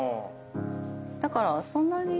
だからそんなに。